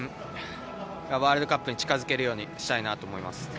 ワールドカップに近づけるようにしたいなと思います。